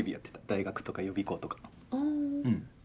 大学とか予備校とかの。